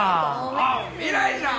おお未来じゃん！